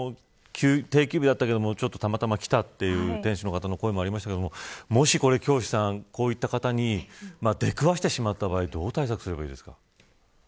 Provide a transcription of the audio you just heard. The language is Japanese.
定休日だったけどたまたま来たという店主の声もありましたがもし、これ、こういった方に出くわしてしまった場合どう対策すればいいですか。